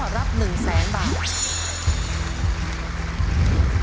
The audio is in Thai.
รับ๑๐๐๐๐๐๐บาท